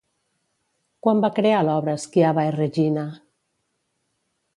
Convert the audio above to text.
Quan va crear l'obra Schiava e regina?